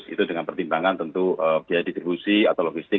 itu dengan pertimbangan tentu biaya distribusi